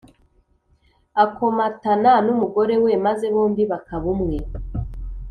Akomatana n umugore we maze bombi bakaba umwe